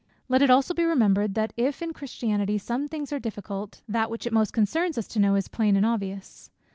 Let it also be remembered, that if in Christianity some things are difficult, that which it most concerns us to know, is plain and obvious.